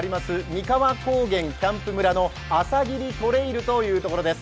三河高原キャンプ村のあさぎりトレイルというところです。